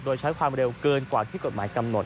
โดยใช้ความเร็วเกินกว่าที่กฎหมายกำหนด